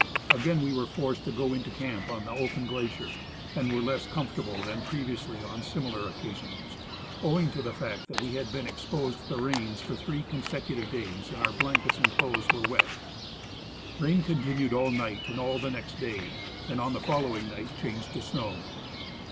Again we were forced to go into camp on the open glacier, and were less comfortable than previously on similar occasions, owing to the fact that we had been exposed to the rains for three successive days and our blankets and clothes were wet. Rain continued all night and all the next day, and on the following night changed to snow.